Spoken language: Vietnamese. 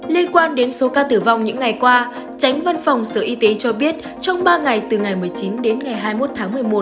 liên quan đến số ca tử vong những ngày qua tránh văn phòng sở y tế cho biết trong ba ngày từ ngày một mươi chín đến ngày hai mươi một tháng một mươi một